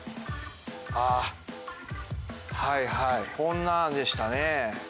ああはいはいこんなでしたね。